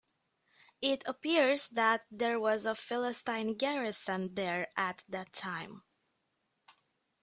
It appears that there was a Philistine garrison there at that time.